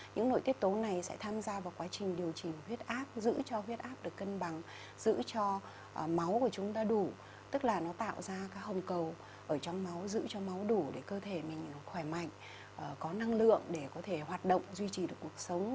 những nội tiết tố này sẽ tham gia vào quá trình điều chỉnh huyết áp giữ cho huyết áp được cân bằng giữ cho máu của chúng ta đủ tức là nó tạo ra hồng cầu ở trong máu giữ cho máu đủ để cơ thể mình khỏe mạnh có năng lượng để có thể hoạt động duy trì được cuộc sống